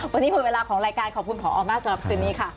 วันนี้หมดเวลาของรายการขอบคุณพอมากสำหรับคืนนี้ค่ะ